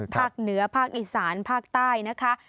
ภาคเหนือภาคอีสานภาคใต้นะคะ